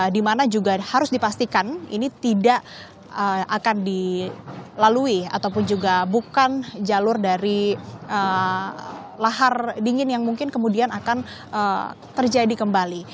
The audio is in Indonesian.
di mana juga harus dipastikan ini tidak akan dilalui ataupun juga bukan jalur dari lahar dingin yang mungkin kemudian akan terjadi kembali